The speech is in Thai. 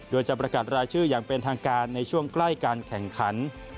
โดยจะประกาศรายชื่ออย่างเป็นทางการในช่วงใกล้การแข่งขัน